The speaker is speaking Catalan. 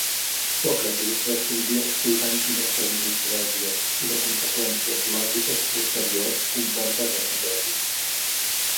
Sòcrates respondria explicant quines premisses prèvies i de conseqüències lògiques posteriors comporta aquesta tesi.